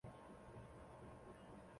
东京音乐大学音乐学部毕业。